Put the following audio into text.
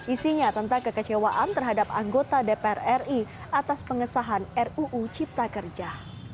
isinya tentang kekecewaan terhadap anggota dpr ri atas pengesahan ruu cipta kerja